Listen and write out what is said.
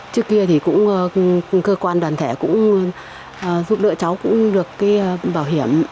trước kia thì cũng cơ quan đoàn thẻ cũng giúp đỡ cháu cũng được cái bảo hiểm